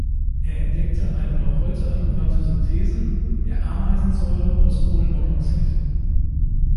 Er entdeckte eine noch heute angewandte Synthese der Ameisensäure aus Kohlenmonoxid.